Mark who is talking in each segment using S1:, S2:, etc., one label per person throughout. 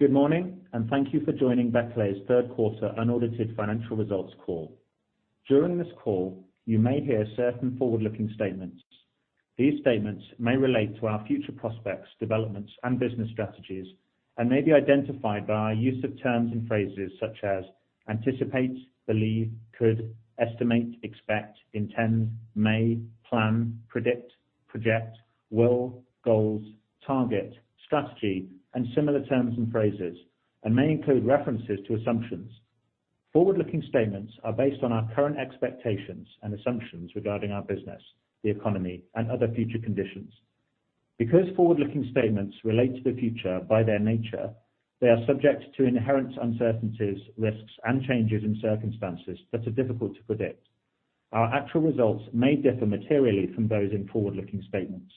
S1: Good morning, and thank you for joining Becle's Q3 unaudited financial results call. During this call, you may hear certain forward-looking statements. These statements may relate to our future prospects, developments, and business strategies, and may be identified by our use of terms and phrases such as anticipate, believe, could, estimate, expect, intend, may, plan, predict, project, will, goals, target, strategy, and similar terms and phrases, and may include references to assumptions. Forward-looking statements are based on our current expectations and assumptions regarding our business, the economy, and other future conditions. Because forward-looking statements relate to the future by their nature, they are subject to inherent uncertainties, risks, and changes in circumstances that are difficult to predict. Our actual results may differ materially from those in forward-looking statements.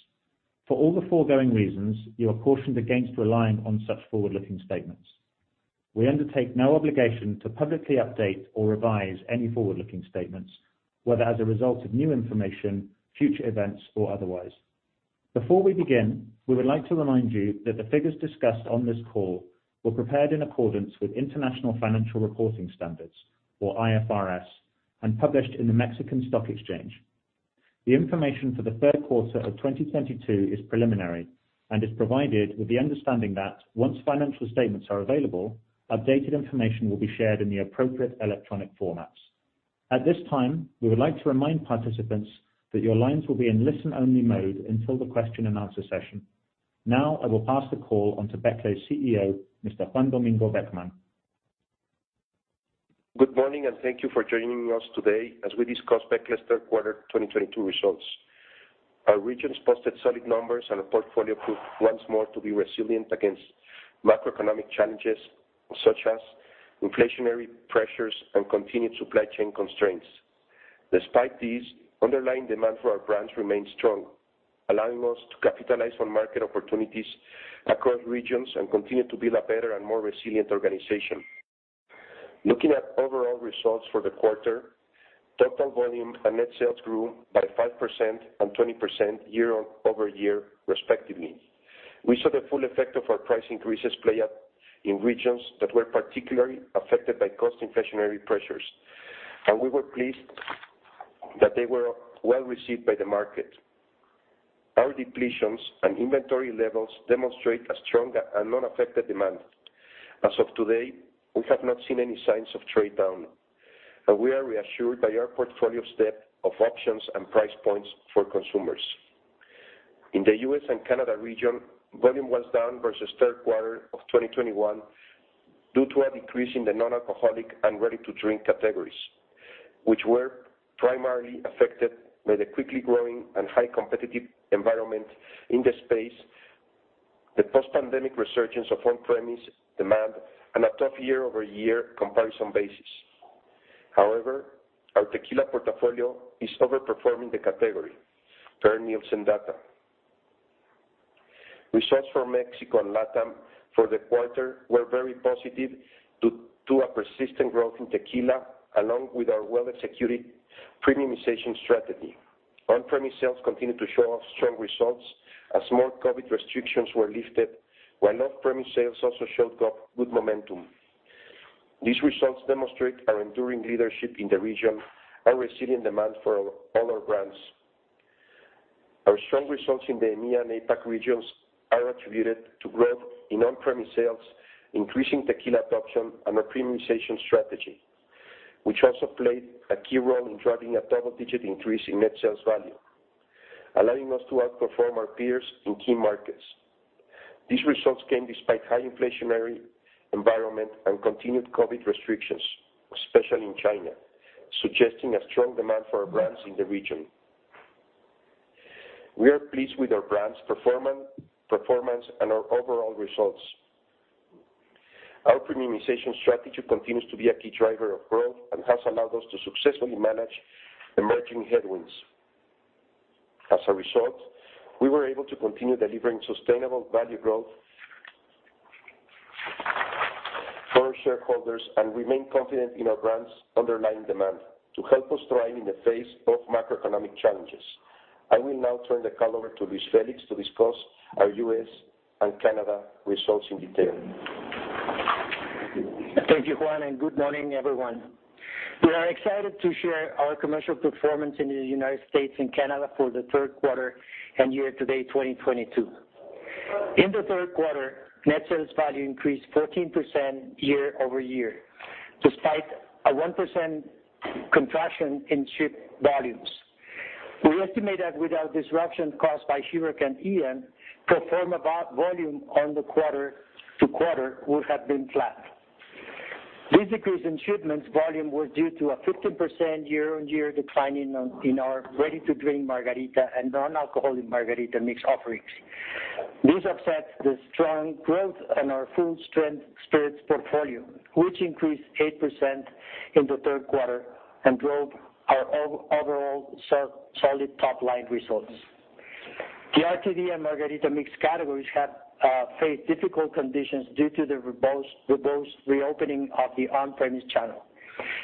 S1: For all the foregoing reasons, you are cautioned against relying on such forward-looking statements. We undertake no obligation to publicly update or revise any forward-looking statements, whether as a result of new information, future events, or otherwise. Before we begin, we would like to remind you that the figures discussed on this call were prepared in accordance with International Financial Reporting Standards, or IFRS, and published in the Mexican Stock Exchange. The information for the Q3 of 2022 is preliminary and is provided with the understanding that once financial statements are available, updated information will be shared in the appropriate electronic formats. At this time, we would like to remind participants that your lines will be in listen-only mode until the question and answer session. Now, I will pass the call on to Becle's CEO, Mr. Juan Domingo Beckmann.
S2: Good morning, and thank you for joining us today as we discuss Becle's Q3 2022 results. Our regions posted solid numbers and our portfolio proved once more to be resilient against macroeconomic challenges, such as inflationary pressures and continued supply chain constraints. Despite these, underlying demand for our brands remains strong, allowing us to capitalize on market opportunities across regions and continue to build a better and more resilient organization. Looking at overall results for the quarter, total volume and net sales grew by 5% and 20% year-over-year, respectively. We saw the full effect of our price increases play out in regions that were particularly affected by cost inflationary pressures, and we were pleased that they were well received by the market. Our depletions and inventory levels demonstrate a strong and unaffected demand. As of today, we have not seen any signs of trade down, and we are reassured by our portfolio depth of options and price points for consumers. In the US and Canada region, volume was down versus Q3 of 2021 due to a decrease in the non-alcoholic and ready-to-drink categories, which were primarily affected by the quickly growing and highly competitive environment in the space, the post-pandemic resurgence of on-premise demand, and a tough year-over-year comparison basis. However, our tequila portfolio is overperforming the category, per Nielsen data. Results for Mexico and LatAm for the quarter were very positive due to a persistent growth in tequila, along with our well-executed premiumization strategy. On-premise sales continued to show off strong results as more COVID restrictions were lifted, while off-premise sales also showed good momentum. These results demonstrate our enduring leadership in the region and resilient demand for all our brands. Our strong results in the EMEA and APAC regions are attributed to growth in on-premise sales, increasing tequila adoption, and our premiumization strategy, which also played a key role in driving a double-digit increase in net sales value, allowing us to outperform our peers in key markets. These results came despite high inflationary environment and continued COVID restrictions, especially in China, suggesting a strong demand for our brands in the region. We are pleased with our brands' performance and our overall results. Our premiumization strategy continues to be a key driver of growth and has allowed us to successfully manage emerging headwinds. As a result, we were able to continue delivering sustainable value growth for our shareholders and remain confident in our brands' underlying demand to help us thrive in the face of macroeconomic challenges. I will now turn the call over to Luis Felix to discuss our US and Canada results in detail.
S3: Thank you, Juan, and good morning, everyone. We are excited to share our commercial performance in the United States and Canada for the Q3 and year-to-date 2022. In the Q3, net sales value increased 14% year-over-year, despite a 1% contraction in shipped volumes. We estimate that without disruption caused by Hurricane Ian, pro forma volume quarter-over-quarter would have been flat. This decrease in shipments volume was due to a 15% year-on-year decline in our ready-to-drink margarita and non-alcoholic margarita mix offerings. This offsets the strong growth in our full-strength spirits portfolio, which increased 8% in the Q3 and drove our overall solid top-line results. The RTD and margarita mix categories have faced difficult conditions due to the reopening of the on-premise channel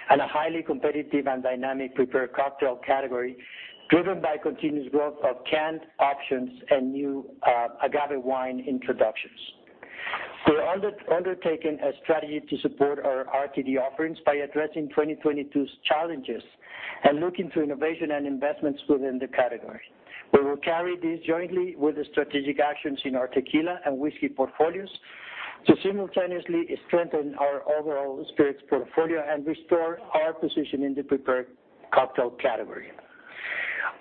S3: and a highly competitive and dynamic prepared cocktail category, driven by continuous growth of canned options and new agave wine introductions. We're undertaking a strategy to support our RTD offerings by addressing 2022's challenges and looking to innovation and investments within the category. We will carry these jointly with the strategic actions in our tequila and whiskey portfolios to simultaneously strengthen our overall spirits portfolio and restore our position in the prepared cocktail category.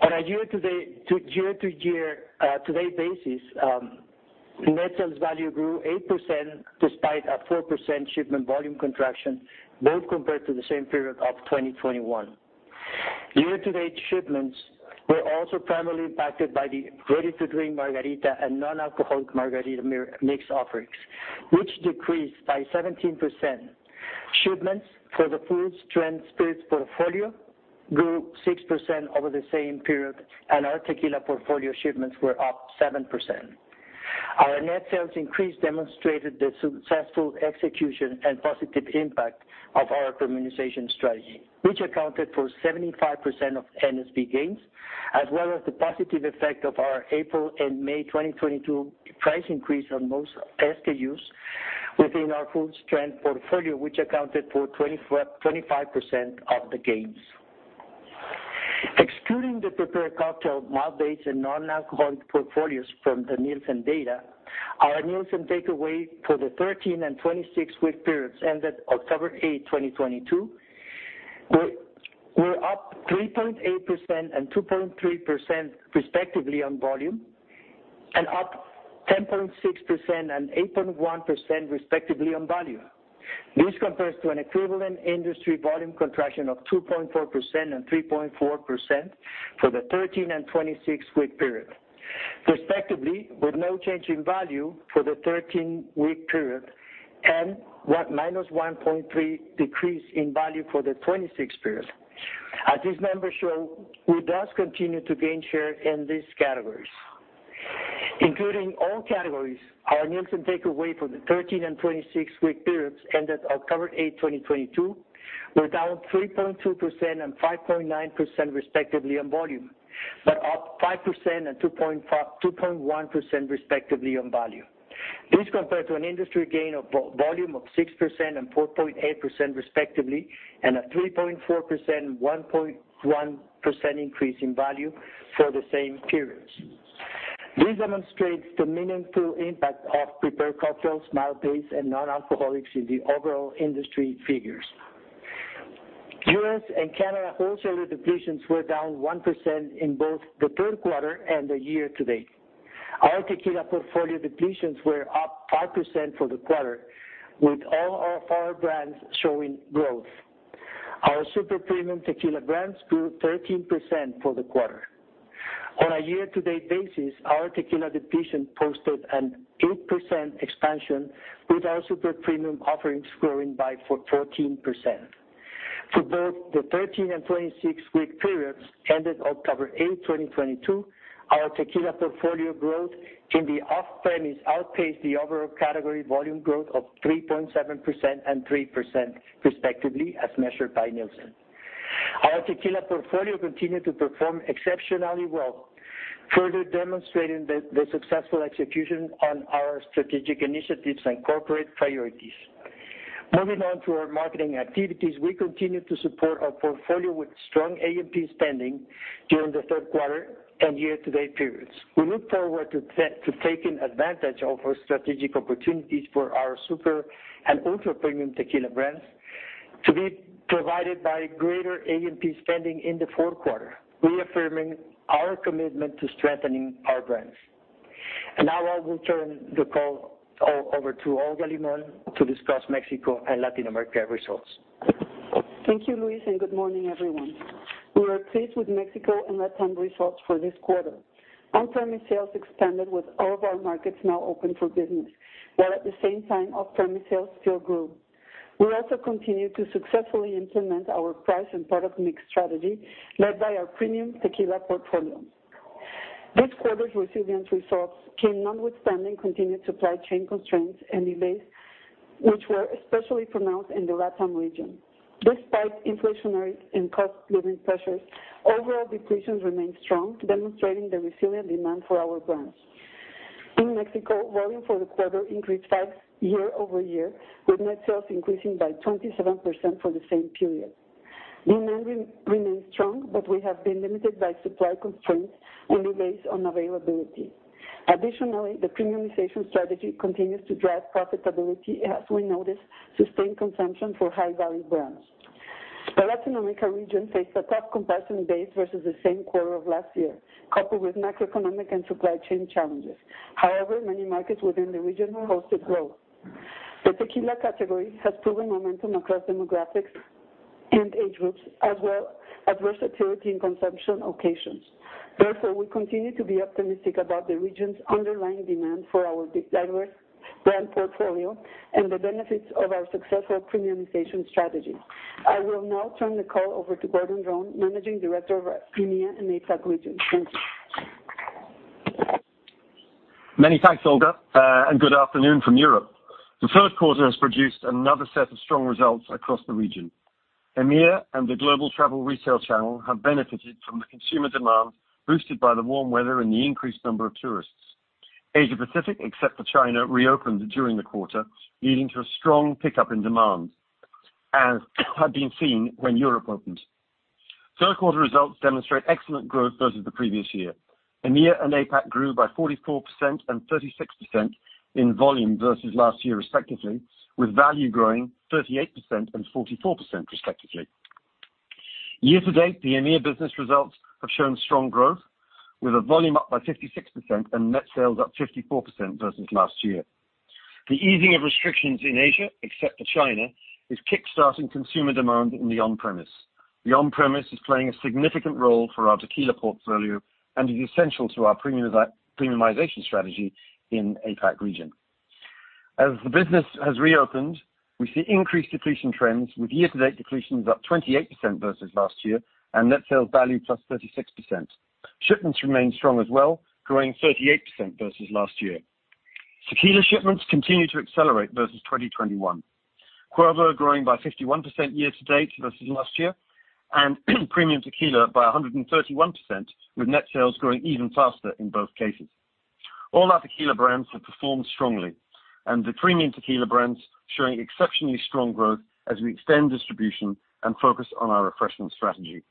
S3: On a year-to-date basis, net sales value grew 8% despite a 4% shipment volume contraction, both compared to the same period of 2021. Year to date shipments were also primarily impacted by the ready-to-drink margarita and non-alcoholic margarita mixed offerings, which decreased by 17%. Shipments for the full-strength spirits portfolio grew 6% over the same period, and our tequila portfolio shipments were up 7%. Our net sales increase demonstrated the successful execution and positive impact of our premiumization strategy, which accounted for 75% of NSV gains, as well as the positive effect of our April and May 2022 price increase on most SKUs within our full-strength portfolio, which accounted for 25% of the gains. Excluding the prepared cocktail malt-based and non-alcoholic portfolios from the Nielsen data, our Nielsen takeaway for the 13- and 26-week periods ended October 8, 2022 were up 3.8% and 2.3% respectively on volume, and up 10.6% and 8.1% respectively on value. This compares to an equivalent industry volume contraction of 2.4% and 3.4% for the 13- and 26-week period, respectively, with no change in value for the 13-week period, and minus 1.3% decrease in value for the 26-week period. These numbers show we thus continue to gain share in these categories. Including all categories, our Nielsen takeaway for the 13- and 26-week periods ended October 8, 2022 were down 3.2% and 5.9% respectively on volume, but up 5% and 2.1% respectively on value. This compared to an industry gain of volume of 6% and 4.8% respectively, and a 3.4% and 1.1% increase in value for the same periods. This demonstrates the meaningful impact of prepared cocktails, malt-based, and non-alcoholics in the overall industry figures. US and Canada wholesaler depletions were down 1% in both the Q3 and the year to date. Our tequila portfolio depletions were up 5% for the quarter, with all of our brands showing growth. Our super premium tequila brands grew 13% for the quarter. On a year-to-date basis, our tequila depletion posted an 8% expansion with our super premium offerings growing by 14%. For both the 13- and 26-week periods ended October 8, 2022, our tequila portfolio growth in the off-premise outpaced the overall category volume growth of 3.7% and 3% respectively, as measured by Nielsen. Our tequila portfolio continued to perform exceptionally well, further demonstrating the successful execution on our strategic initiatives and corporate priorities. Moving on to our marketing activities, we continue to support our portfolio with strong A&P spending during the Q3 and year-to-date periods. We look forward to taking advantage of our strategic opportunities for our super- and ultra-premium tequila brands to be provided by greater A&P spending in the Q4, reaffirming our commitment to strengthening our brands. Now I will turn the call over to Olga Limón to discuss Mexico and Latin America results.
S4: Thank you, Luis, and good morning, everyone. We are pleased with Mexico and LatAm results for this quarter. On-premise sales expanded with all of our markets now open for business, while at the same time, off-premise sales still grew. We also continued to successfully implement our price and product mix strategy led by our premium tequila portfolio. This quarter's resilient results came notwithstanding continued supply chain constraints and delays, which were especially pronounced in the LatAm region. Despite inflationary and cost-of-living pressures, overall depletions remained strong, demonstrating the resilient demand for our brands. In Mexico, volume for the quarter increased 5% year-over-year, with net sales increasing by 27% for the same period. Demand remains strong, but we have been limited by supply constraints and delays on availability. Additionally, the premiumization strategy continues to drive profitability as we notice sustained consumption for high-value brands. The Latin America region faced a tough comparison base versus the same quarter of last year, coupled with macroeconomic and supply chain challenges. However, many markets within the region posted growth. The tequila category has proven momentum across demographics and age groups, as well as versatility in consumption occasions. Therefore, we continue to be optimistic about the region's underlying demand for our diverse brand portfolio and the benefits of our successful premiumization strategy. I will now turn the call over to Gordon Dron, Managing Director of our EMEA and APAC region. Thank you.
S5: Many thanks, Olga, and good afternoon from Europe. The Q3 has produced another set of strong results across the region. EMEA and the global travel retail channel have benefited from the consumer demand, boosted by the warm weather and the increased number of tourists. Asia Pacific, except for China, reopened during the quarter, leading to a strong pickup in demand as had been seen when Europe opened. Q3 results demonstrate excellent growth versus the previous year. EMEA and APAC grew by 44% and 36% in volume versus last year respectively, with value growing 38% and 44% respectively. Year to date, the EMEA business results have shown strong growth with a volume up by 56% and net sales up 54% versus last year. The easing of restrictions in Asia, except for China, is kick-starting consumer demand in the on-premise. The on-premise is playing a significant role for our tequila portfolio and is essential to our premiumization strategy in APAC region. As the business has reopened, we see increased depletion trends, with year-to-date depletions up 28% versus last year and net sales value plus 36%. Shipments remain strong as well, growing 38% versus last year. Tequila shipments continue to accelerate versus 2021. Cuervo growing by 51% year to date versus last year, and premium tequila by 131%, with net sales growing even faster in both cases. All our tequila brands have performed strongly, and the premium tequila brands showing exceptionally strong growth as we extend distribution and focus on our refreshment strategy.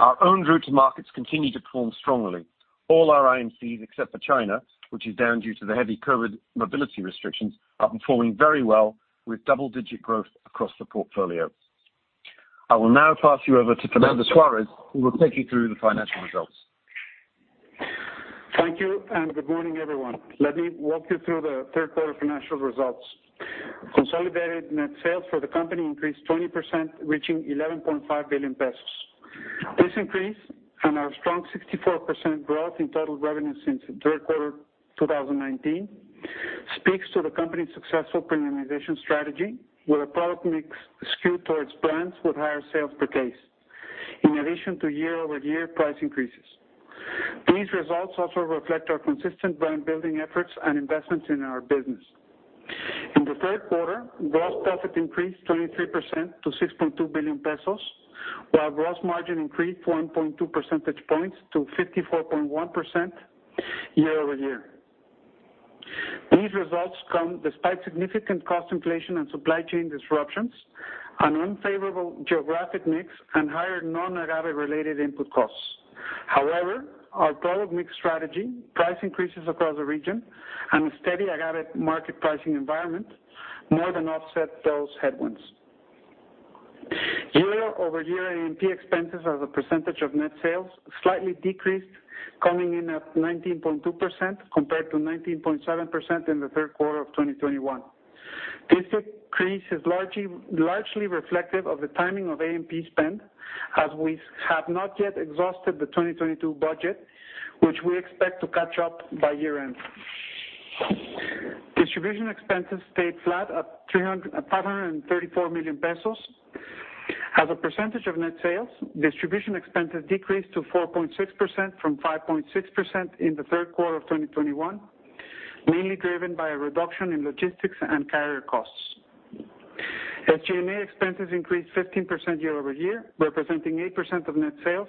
S5: Our own roots markets continue to perform strongly. All our IMCs, except for China, which is down due to the heavy COVID mobility restrictions, are performing very well with double-digit growth across the portfolio. I will now pass you over to Fernando Suárez, who will take you through the financial results.
S6: Thank you, and good morning, everyone. Let me walk you through the Q3 financial results. Consolidated net sales for the company increased 20%, reaching 11.5 billion pesos. This increase and our strong 64% growth in total revenue since the Q3 2019 speaks to the company's successful premiumization strategy with a product mix skewed towards brands with higher sales per case in addition to year-over-year price increases. These results also reflect our consistent brand-building efforts and investments in our business. In the Q3, gross profit increased 23% to 6.2 billion pesos, while gross margin increased 1.2 percentage points to 54.1% year-over-year. These results come despite significant cost inflation and supply chain disruptions, an unfavorable geographic mix, and higher non-agave related input costs. However, our product mix strategy, price increases across the region, and a steady agave market pricing environment more than offset those headwinds. Year-over-year, A&P expenses as a percentage of net sales slightly decreased, coming in at 19.2% compared to 19.7% in the Q3 of 2021. This decrease is largely reflective of the timing of A&P spend, as we have not yet exhausted the 2022 budget, which we expect to catch up by year-end. Distribution expenses stayed flat at 534 million pesos. As a percentage of net sales, distribution expenses decreased to 4.6% from 5.6% in the Q3 of 2021, mainly driven by a reduction in logistics and carrier costs. SG&A expenses increased 15% year-over-year, representing 8% of net sales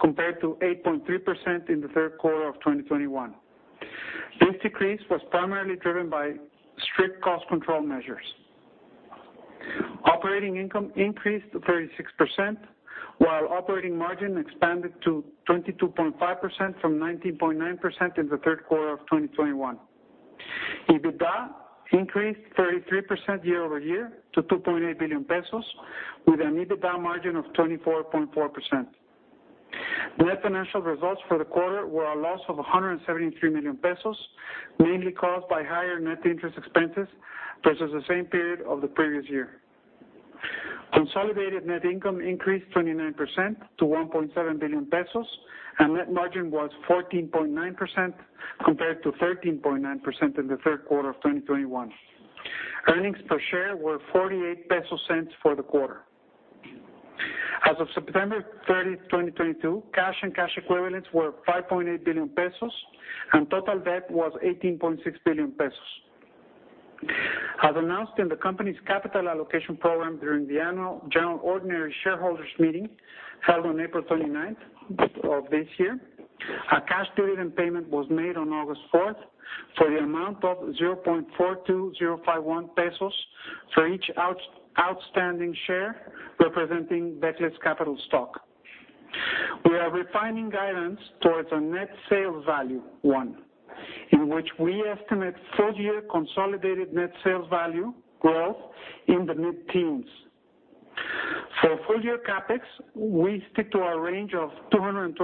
S6: compared to 8.3% in the Q3 of 2021. This decrease was primarily driven by strict cost control measures. Operating income increased to 36%, while operating margin expanded to 22.5% from 19.9% in the Q3 of 2021. EBITDA increased 33% year-over-year to 2.8 billion pesos with an EBITDA margin of 24.4%. Net financial results for the quarter were a loss of 173 million pesos, mainly caused by higher net interest expenses versus the same period of the previous year. Consolidated net income increased 29% to 1.7 billion pesos, and net margin was 14.9% compared to 13.9% in the Q3 of 2021. Earnings per share were 0.48 MXN for the quarter. As of September 30, 2022, cash and cash equivalents were 5.8 billion pesos, and total debt was 18.6 billion pesos. As announced in the company's capital allocation program during the Annual General Ordinary Shareholders' Meeting held on April 29 of this year, a cash dividend payment was made on August 4 for the amount of 0.42051 pesos for each outstanding share, representing Becle's capital stock. We are refining guidance towards a NSV in which we estimate full-year consolidated net sales value growth in the mid-teens. For full-year CapEx, we stick to our range of $225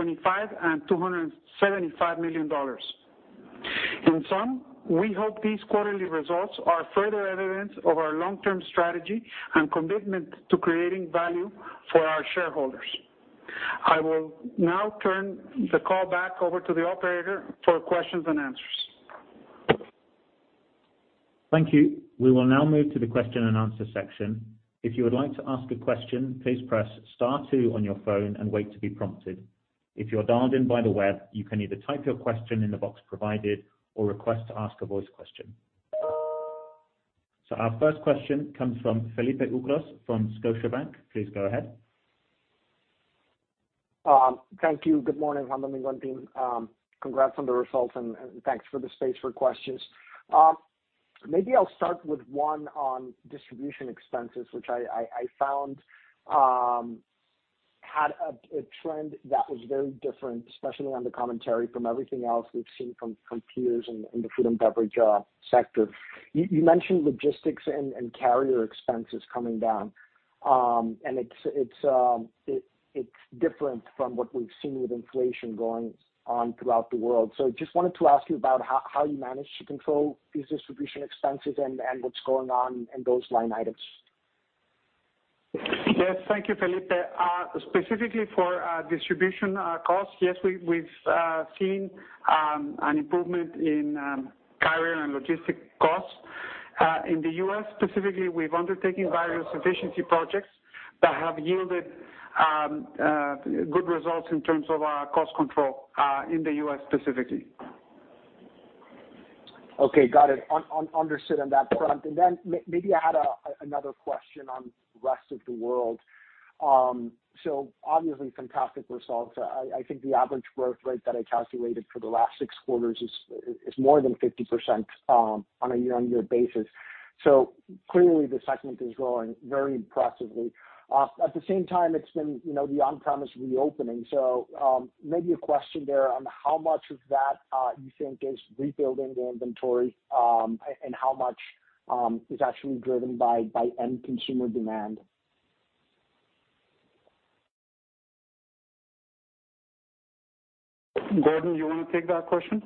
S6: million-$275 million. In sum, we hope these quarterly results are further evidence of our long-term strategy and commitment to creating value for our shareholders. I will now turn the call back over to the operator for questions and answers.
S1: Thank you. We will now move to the question and answer section. If you would like to ask a question, please press star two on your phone and wait to be prompted. If you're dialed in by the web, you can either type your question in the box provided or request to ask a voice question. Our first question comes from Felipe Ucros from Scotiabank. Please go ahead.
S7: Thank you. Good morning, Juan Domingo and team. Congrats on the results and thanks for the space for questions. Maybe I'll start with one on distribution expenses, which I found had a trend that was very different, especially on the commentary from everything else we've seen from peers in the food and beverage sector. You mentioned logistics and carrier expenses coming down. And it's different from what we've seen with inflation going on throughout the world. Just wanted to ask you about how you managed to control these distribution expenses and what's going on in those line items.
S6: Yes. Thank you, Felipe. Specifically for distribution costs, yes, we've seen an improvement in carrier and logistics costs. In the U.S. specifically, we've undertaken various efficiency projects that have yielded good results in terms of cost control in the U.S. specifically.
S7: Okay. Got it. Understood on that front. Then maybe I had another question on the rest of the world. Obviously fantastic results. I think the average growth rate that I calculated for the last 6 quarters is more than 50%, on a year-over-year basis. Clearly the segment is growing very impressively. At the same time, it's been the on-premise reopening. Maybe a question there on how much of that you think is refilling the inventory, and how much is actually driven by end consumer demand.
S6: Gordon, do you wanna take that question?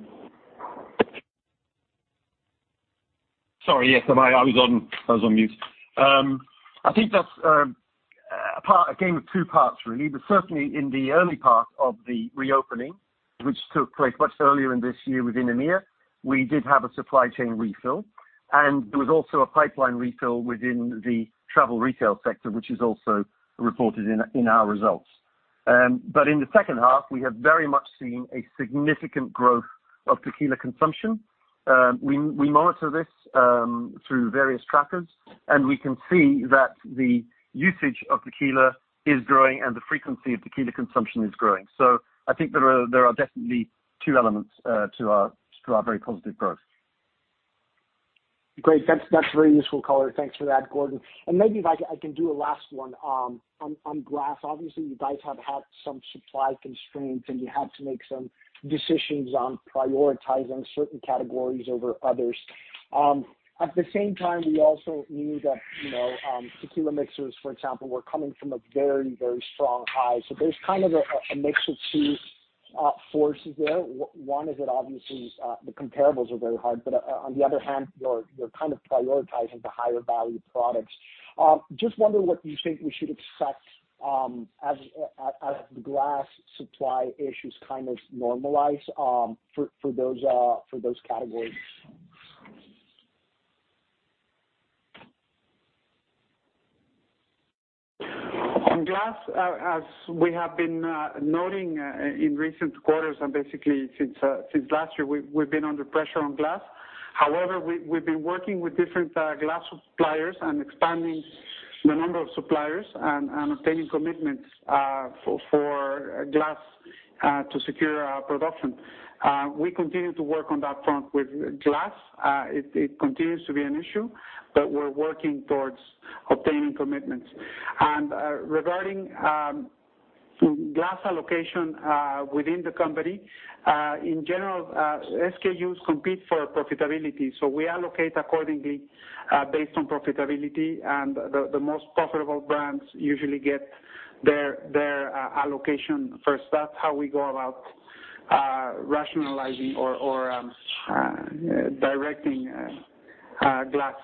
S5: Sorry. Yes. I was on mute. I think that's a game of two parts really. Certainly in the early part of the reopening, which took place much earlier in this year within EMEA, we did have a supply chain refill, and there was also a pipeline refill within the travel retail sector, which is also reported in our results. In the second half, we have very much seen a significant growth of tequila consumption. We monitor this through various trackers, and we can see that the usage of tequila is growing and the frequency of tequila consumption is growing. I think there are definitely two elements to our very positive growth.
S7: Great. That's very useful color. Thanks for that, Gordon. Maybe I can do a last one on glass. Obviously, you guys have had some supply constraints, and you had to make some decisions on prioritizing certain categories over others. At the same time, we also knew that, you know, tequila mixers, for example, were coming from a very strong high. There's kind of a mix of two forces there. One is that obviously the comparables are very hard, but on the other hand, you're kind of prioritizing the higher value products. Just wondering what you think we should expect as the glass supply issues kind of normalize for those categories.
S6: On glass, as we have been noting in recent quarters and basically since last year, we've been under pressure on glass. However, we've been working with different glass suppliers and expanding the number of suppliers and obtaining commitments for glass to secure our production. We continue to work on that front with glass. It continues to be an issue, but we're working towards obtaining commitments. Regarding glass allocation within the company in general, SKUs compete for profitability. We allocate accordingly based on profitability, and the most profitable brands usually get their allocation first. That's how we go about rationalizing or directing glass.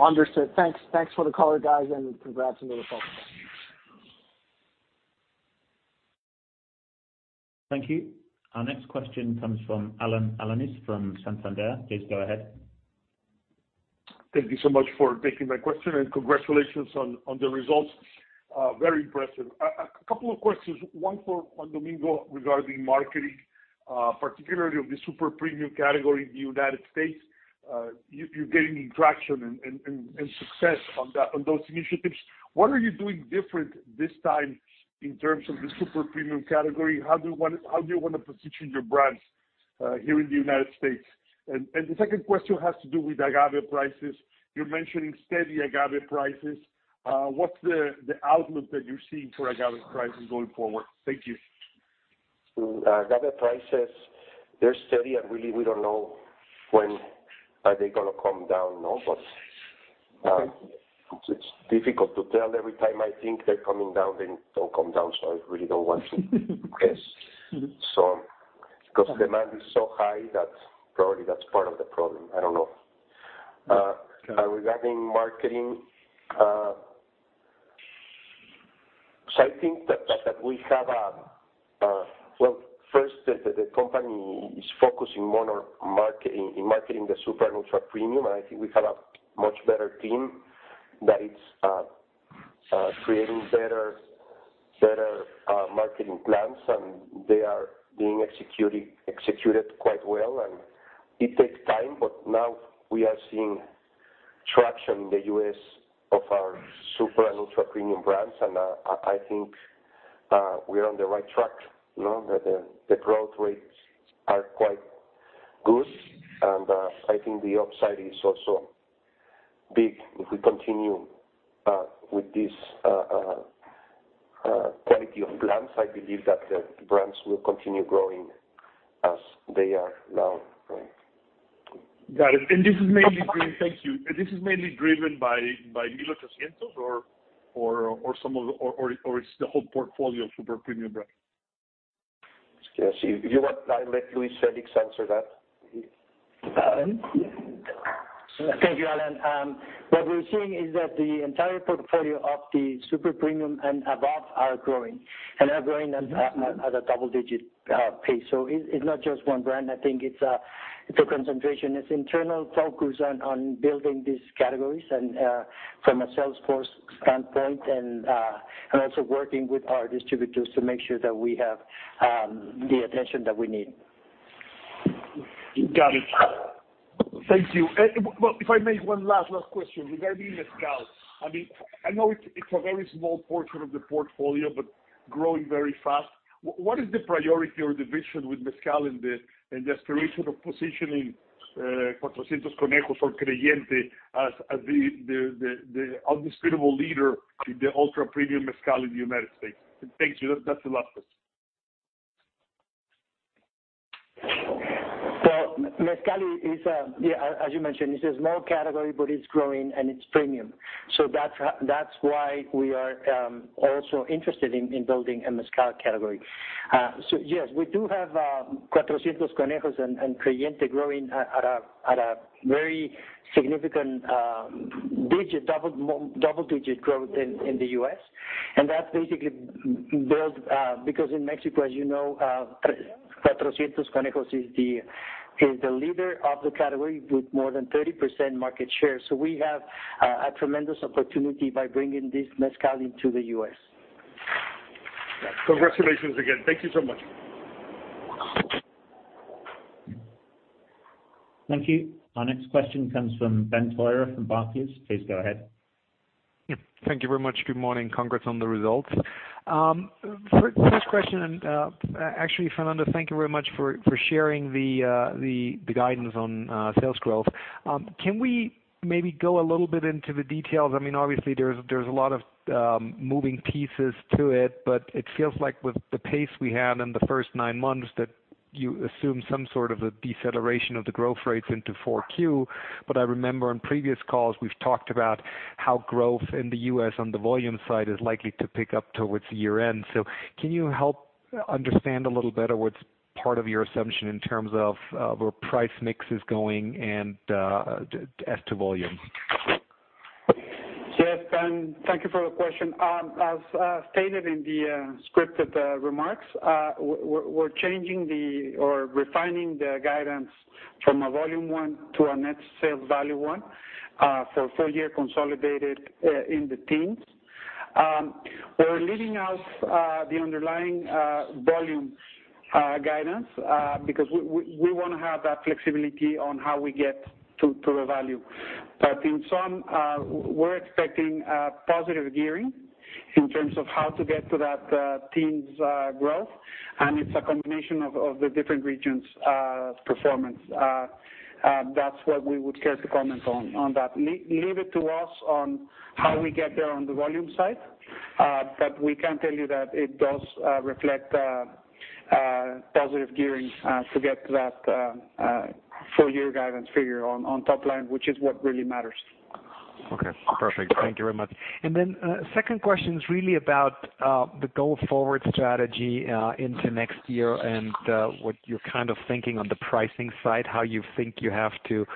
S7: Understood. Thanks. Thanks for the color, guys, and congrats on the results.
S1: Thank you. Our next question comes from Alan Alanis from Santander. Please go ahead.
S8: Thank you so much for taking my question, and congratulations on the results. Very impressive. A couple of questions, one for Juan Domingo regarding marketing, particularly of the super premium category in the United States. You're getting traction and success on those initiatives. What are you doing different this time in terms of the super premium category? How do you wanna position your brands here in the United States? And the second question has to do with agave prices. You're mentioning steady agave prices. What's the outlook that you're seeing for agave prices going forward? Thank you.
S2: Agave prices, they're steady, and really, we don't know when are they gonna come down. No, but, it's difficult to tell. Every time I think they're coming down, they don't come down, so I really don't want to guess. 'Cause demand is so high, that's probably part of the problem. I don't know.
S8: Okay.
S2: Regarding marketing, I think that we have a well, first, the company is focusing more on marketing, in marketing the super ultra-premium. I think we have a much better team that is creating better marketing plans, and they are being executed quite well. It takes time, but now we are seeing traction in the U.S. for our super and ultra-premium brands. I think we are on the right track, you know? The growth rates are quite good, and I think the upside is also big if we continue with this quality of plans. I believe that the brands will continue growing as they are now growing.
S8: Got it. This is mainly driven by 1800 or some of the or it's the whole portfolio of super premium brands?
S2: Yes. If you want, I'll let Luis Felix answer that.
S3: Thank you, Alan. What we're seeing is that the entire portfolio of the super premium and above are growing, and are growing at a double digit pace. It's not just one brand. I think it's a concentration. It's internal focus on building these categories, and from a sales force standpoint, and also working with our distributors to make sure that we have the attention that we need.
S8: Got it. Thank you. Well, if I may, one last question regarding Mezcal. I mean, I know it's a very small portion of the portfolio, but growing very fast. What is the priority or the vision with Mezcal in the aspiration of positioning 400 Conejos or Creyente as the indisputable leader in the ultra-premium Mezcal in the United States? Thanks. That's the last question.
S3: Well, mezcal is, as you mentioned, it's a small category, but it's growing and it's premium. That's why we are also interested in building a mezcal category. Yes, we do have 400 Conejos and Creyente growing at a very significant double digit growth in the U.S. That's basically built because in Mexico, as you know, 400 Conejos is the leader of the category with more than 30% market share. We have a tremendous opportunity by bringing this mezcal into the U.S.
S8: Congratulations again. Thank you so much.
S1: Thank you. Our next question comes from Benjamin Theurer from Barclays. Please go ahead.
S9: Yeah. Thank you very much. Good morning. Congrats on the results. First question, actually, Fernando, thank you very much for sharing the guidance on sales growth. Can we maybe go a little bit into the details? I mean, obviously there's a lot of moving parts to it, but it feels like with the pace we had in the first nine months, that you assume some sort of a deceleration of the growth rates into 4Q. I remember on previous calls we've talked about how growth in the U.S. on the volume side is likely to pick up towards the year end. Can you help understand a little better what's part of your assumption in terms of where price mix is going and as to volume?
S6: Yes, Ben. Thank you for the question. As stated in the scripted remarks, we're changing or refining the guidance from a volume one to a net sales value one for full year consolidated in the teens. We're leaving out the underlying volume guidance because we wanna have that flexibility on how we get to the value. In sum, we're expecting a positive gearing in terms of how to get to that teens growth. It's a combination of the different regions' performance. That's what we would care to comment on that. Leave it to us on how we get there on the volume side. We can tell you that it does reflect positive gearing to get to that full year guidance figure on top line, which is what really matters.
S9: Okay. Perfect. Thank you very much. Second question is really about the go forward strategy into next year and what you're kind of thinking on the pricing side, how you think you have to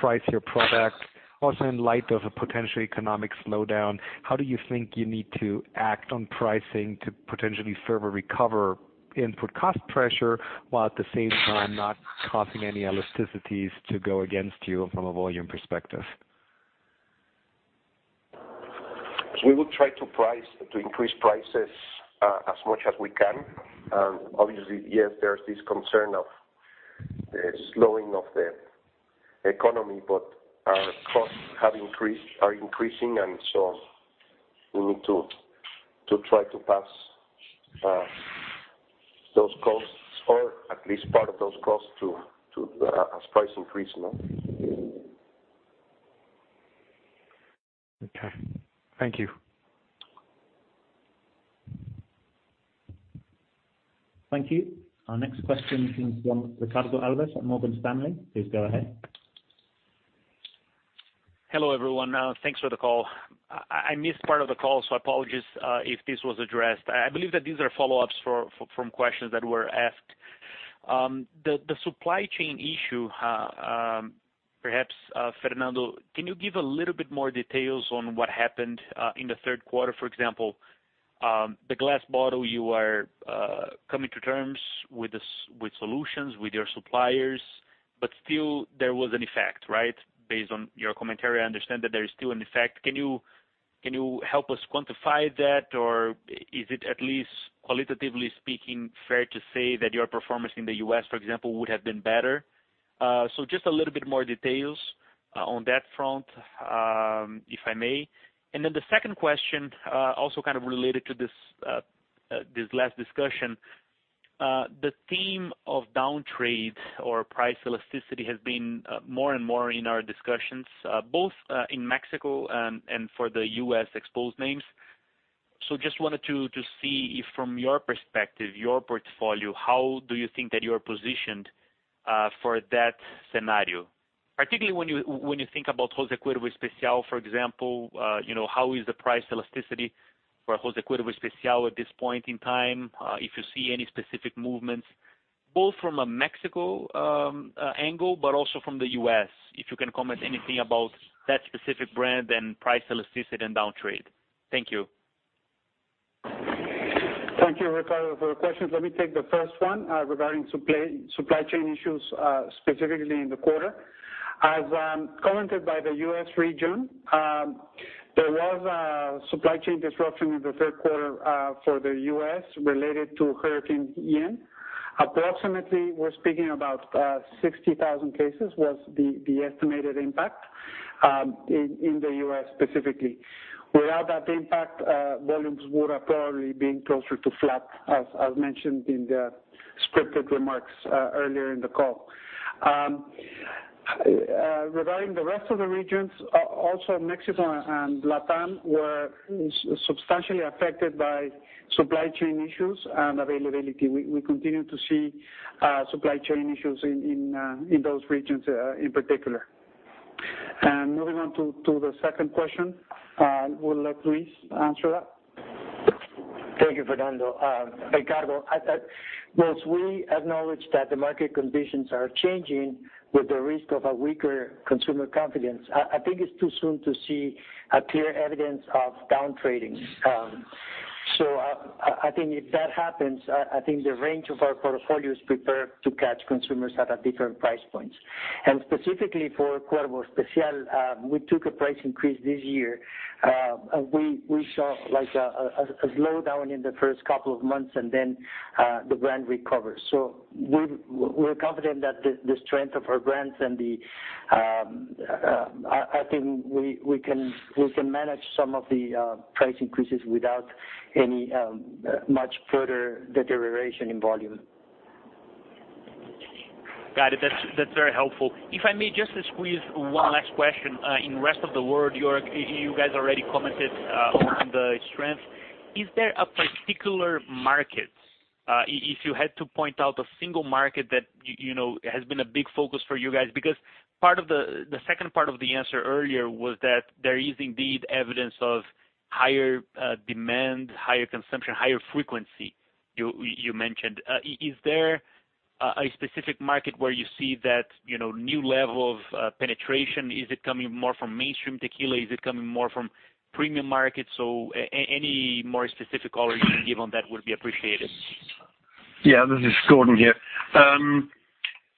S9: price your product. Also in light of a potential economic slowdown, how do you think you need to act on pricing to potentially further recover input cost pressure while at the same time not causing any elasticities to go against you from a volume perspective?
S2: We will try to price, to increase prices, as much as we can. Obviously, yes, there's this concern of the slowing of the economy, but our costs have increased, are increasing, and so we need to try to pass those costs or at least part of those costs to as price increase, no?
S9: Okay. Thank you.
S1: Thank you. Our next question comes from Ricardo Alves at Morgan Stanley. Please go ahead.
S10: Hello, everyone. Thanks for the call. I missed part of the call, so apologies if this was addressed. I believe that these are follow-ups from questions that were asked. The supply chain issue, perhaps Fernando, can you give a little bit more details on what happened in the Q3, for example? The glass bottle you are coming to terms with solutions with your suppliers, but still there was an effect, right? Based on your commentary, I understand that there is still an effect. Can you help us quantify that? Or is it at least qualitatively speaking fair to say that your performance in the U.S., for example, would have been better? So just a little bit more details on that front, if I may. Then the second question, also kind of related to this last discussion. The theme of downtrade or price elasticity has been more and more in our discussions both in Mexico and for the US exposed names. Just wanted to see if from your perspective, your portfolio, how do you think that you're positioned for that scenario? Particularly when you think about Jose Cuervo Especial, for example, you know, how is the price elasticity for Jose Cuervo Especial at this point in time? If you see any specific movements, both from a Mexico angle, but also from the US. If you can comment anything about that specific brand and price elasticity and downtrade. Thank you.
S6: Thank you, Ricardo, for your questions. Let me take the first one regarding supply chain issues specifically in the quarter. As commented by the US region, there was a supply chain disruption in the Q3 for the US related to Hurricane Ian. Approximately, we're speaking about 60,000 cases was the estimated impact in the US specifically. Without that impact, volumes would have probably been closer to flat, as mentioned in the scripted remarks earlier in the call. Regarding the rest of the regions, also Mexico and LatAm were substantially affected by supply chain issues and availability. We continue to see supply chain issues in those regions in particular. Moving on to the second question, we'll let Luis answer that.
S3: Thank you, Fernando Suárez. Ricardo Alves, yes, we acknowledge that the market conditions are changing with the risk of a weaker consumer confidence. I think it's too soon to see a clear evidence of down trading. I think if that happens, I think the range of our portfolio is prepared to catch consumers at a different price points. Specifically for Cuervo Especial, we took a price increase this year. We saw like a slowdown in the first couple of months and then the brand recovered. We're confident that the strength of our brands and I think we can manage some of the price increases without any much further deterioration in volume.
S10: Got it. That's very helpful. If I may just squeeze one last question. In rest of the world, you guys already commented on the strength. Is there a particular market, if you had to point out a single market that you know has been a big focus for you guys? Because part of the second part of the answer earlier was that there is indeed evidence of higher demand, higher consumption, higher frequency, you mentioned. Is there a specific market where you see that you know new level of penetration? Is it coming more from mainstream tequila? Is it coming more from premium markets? Any more specific color you can give on that would be appreciated.
S5: Yeah. This is Gordon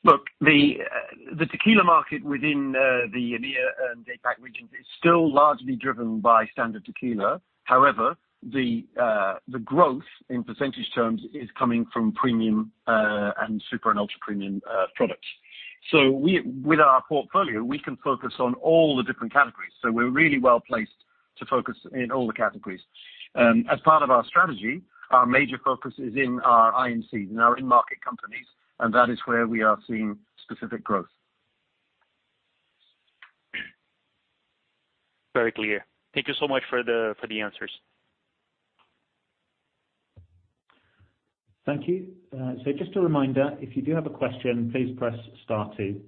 S5: here. Look, the tequila market within the EMEA and APAC regions is still largely driven by standard tequila. However, the growth in percentage terms is coming from premium and super and ultra-premium products. With our portfolio, we can focus on all the different categories, so we're really well-placed to focus in all the categories. As part of our strategy, our major focus is in our IMCs, in our in-market companies, and that is where we are seeing specific growth.
S10: Very clear. Thank you so much for the answers.
S1: Thank you. Just a reminder, if you do have a question, please press star two.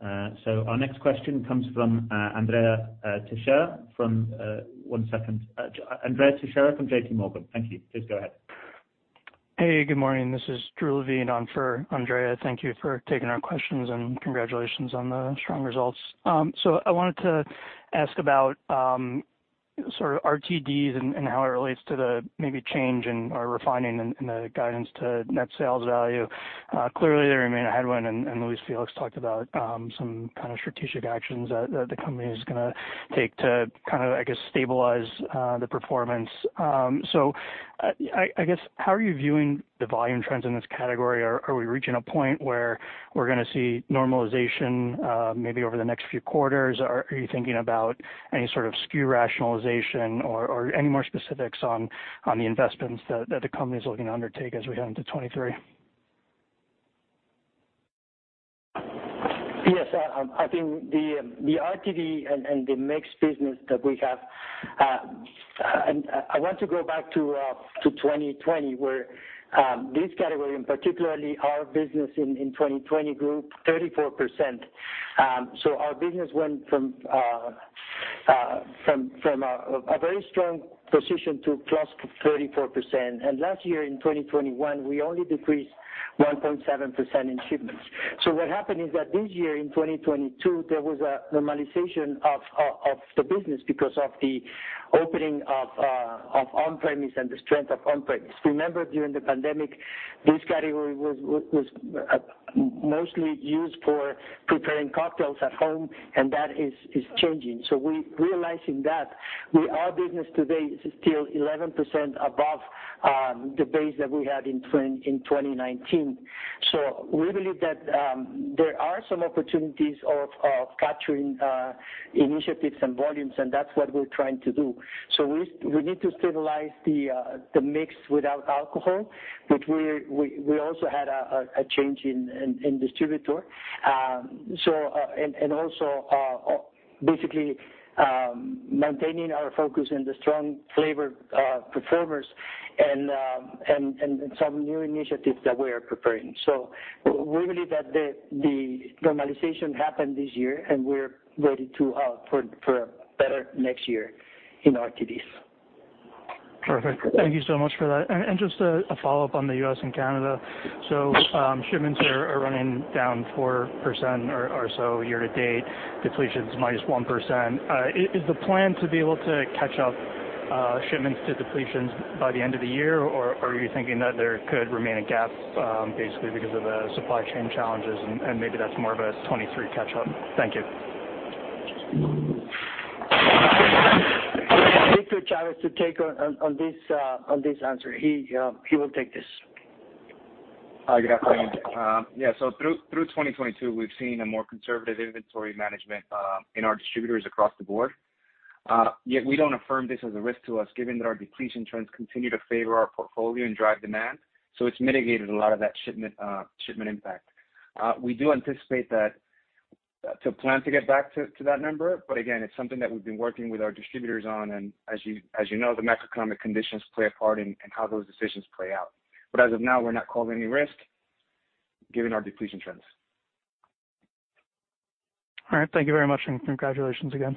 S1: Our next question comes from Andrea Teixeira from JPMorgan. Thank you. Please go ahead.
S11: Hey, good morning. This is Drew Levine on for Andrea. Thank you for taking our questions, and congratulations on the strong results. So I wanted to ask about sort of RTDs and how it relates to the maybe change in or refining in the guidance to net sales value. Clearly there remain a headwind, and Luis Felix talked about some kind of strategic actions that the company is gonna take to kind of, I guess, stabilize the performance. So I guess, how are you viewing the volume trends in this category? Are we reaching a point where we're gonna see normalization, maybe over the next few quarters? Are you thinking about any sort of SKU rationalization or any more specifics on the investments that the company is looking to undertake as we head into 2023?
S3: Yes. I think the RTD and the mixed business that we have, and I want to go back to 2020, where this category, and particularly our business in 2020 grew 34%. Our business went from From a very strong position to +34%. Last year in 2021, we only decreased 1.7% in shipments. What happened is that this year in 2022, there was a normalization of the business because of the opening of on-premise and the strength of on-premise. Remember during the pandemic, this category was mostly used for preparing cocktails at home, and that is changing. We're realizing that we Our business today is still 11% above the base that we had in 2019. We believe that there are some opportunities of capturing initiatives and volumes, and that's what we're trying to do. We need to stabilize the mix without alcohol, but we also had a change in distributor. Also, basically maintaining our focus in the strong flavor performers and some new initiatives that we are preparing. We believe that the normalization happened this year, and we're ready for a better next year in RTDs.
S11: Perfect. Thank you so much for that. Just a follow-up on the U.S. and Canada. Shipments are running down 4% or so year to date. Depletions minus 1%. Is the plan to be able to catch up shipments to depletions by the end of the year? Are you thinking that there could remain a gap basically because of the supply chain challenges, and maybe that's more of a 2023 catch up? Thank you.
S6: I'll ask Victor Chavez to take on this answer. He will take this.
S12: Hi, good afternoon. Through 2022, we've seen a more conservative inventory management in our distributors across the board. Yet we don't affirm this as a risk to us given that our depletion trends continue to favor our portfolio and drive demand, so it's mitigated a lot of that shipment impact. We do anticipate that to plan to get back to that number, but again, it's something that we've been working with our distributors on, and as you know, the macroeconomic conditions play a part in how those decisions play out. As of now, we're not calling any risk given our depletion trends.
S11: All right. Thank you very much, and congratulations again.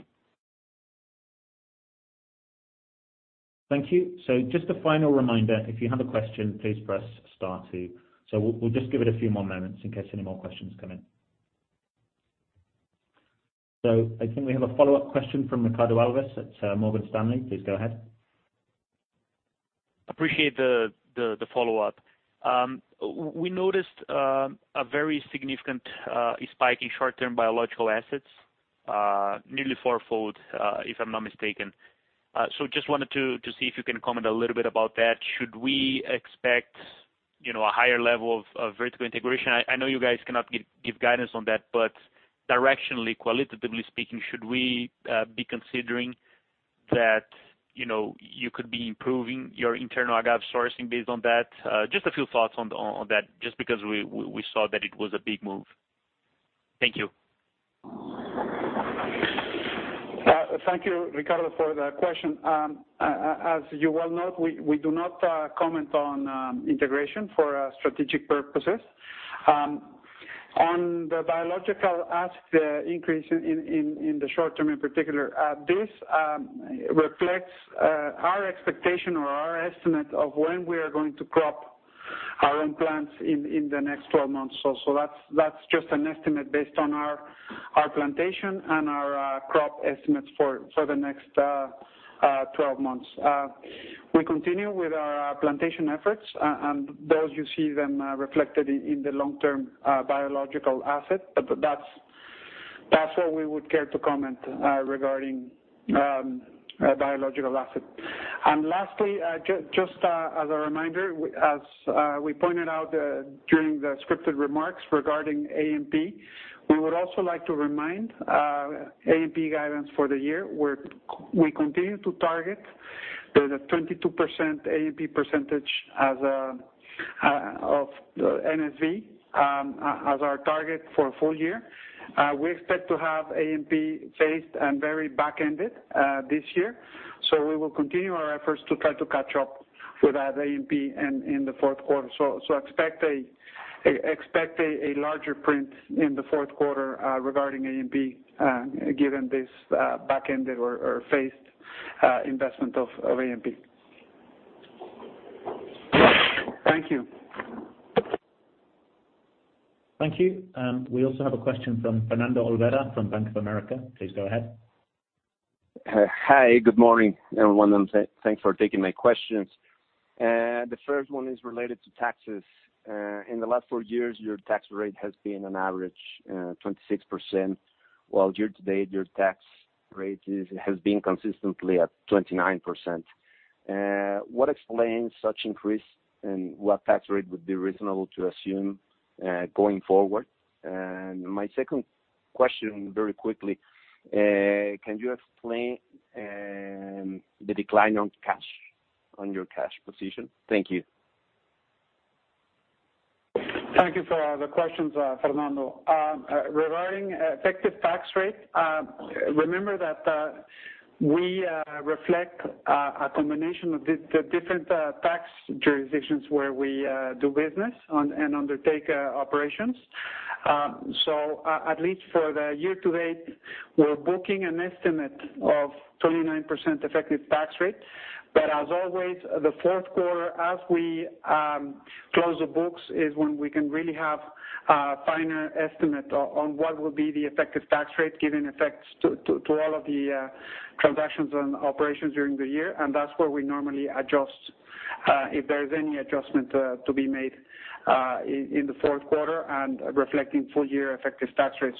S1: Thank you. Just a final reminder, if you have a question, please press star two. We'll just give it a few more moments in case any more questions come in. I think we have a follow-up question from Ricardo Alves at Morgan Stanley. Please go ahead.
S10: Appreciate the follow-up. We noticed a very significant spike in short-term biological assets, nearly fourfold, if I'm not mistaken. So just wanted to see if you can comment a little bit about that. Should we expect, you know, a higher level of vertical integration? I know you guys cannot give guidance on that, but directionally, qualitatively speaking, should we be considering that, you know, you could be improving your internal agave sourcing based on that? Just a few thoughts on that, just because we saw that it was a big move. Thank you.
S6: Thank you, Ricardo, for the question. As you well know, we do not comment on integration for strategic purposes. On the biological asset increase in the short term in particular, this reflects our expectation or our estimate of when we are going to crop our own plants in the next 12 months or so. That's just an estimate based on our plantation and our crop estimates for the next 12 months. We continue with our plantation efforts, and those you see them reflected in the long term biological asset. But that's what we would care to comment regarding biological asset. Lastly, just as a reminder, we We pointed out during the scripted remarks regarding A&P, we would also like to remind A&P guidance for the year. We continue to target the 22% A&P percentage as of NSV as our target for full year. We expect to have A&P phased and very back-ended this year, so we will continue our efforts to try to catch up with that A&P in the Q4. Expect a larger print in the Q4 regarding A&P, given this back-ended or phased investment of A&P. Thank you.
S1: Thank you. We also have a question from Fernando Olvera from Bank of America. Please go ahead.
S13: Hi. Good morning, everyone, and thanks for taking my questions. The first one is related to taxes. In the last four years, your tax rate has been on average 26%, while year to date, your tax rate has been consistently at 29%. What explains such increase, and what tax rate would be reasonable to assume going forward? My second question very quickly, can you explain the decline in cash, in your cash position? Thank you.
S6: Thank you for the questions, Fernando. Regarding effective tax rate, remember that we reflect a combination of the different tax jurisdictions where we do business in and undertake operations. At least for the year to date, we're booking an estimate of 29% effective tax rate. As always, the Q4, as we close the books, is when we can really have a finer estimate on what will be the effective tax rate given effects to all of the transactions and operations during the year. That's where we normally adjust, if there is any adjustment, to be made, in the Q4 and reflecting full year effective tax rate.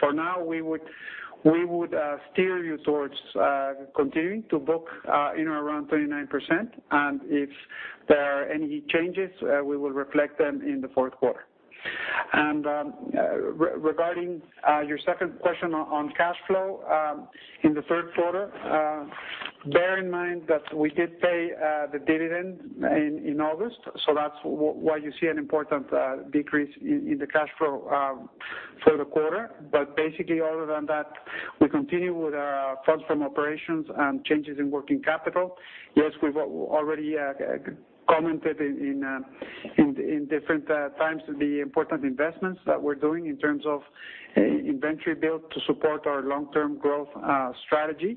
S6: For now, we would steer you towards continuing to book in around 29%. If there are any changes, we will reflect them in the Q4. Regarding your second question on cash flow, in the Q3, bear in mind that we did pay the dividend in August, so that's why you see an important decrease in the cash flow for the quarter. Basically other than that, we continue with our funds from operations and changes in working capital. Yes, we've already commented in different times the important investments that we're doing in terms of inventory build to support our long-term growth strategy.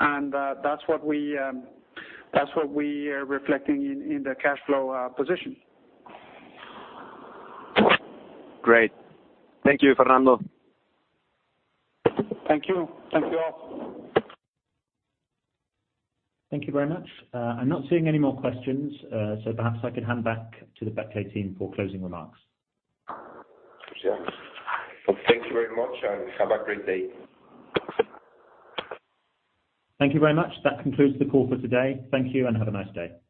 S6: That's what we are reflecting in the cash flow position.
S13: Great. Thank you, Fernando.
S6: Thank you. Thank you all.
S1: Thank you very much. I'm not seeing any more questions, so perhaps I could hand back to the Becle team for closing remarks.
S6: Well, thank you very much and have a great day.
S1: Thank you very much. That concludes the call for today. Thank you, and have a nice day.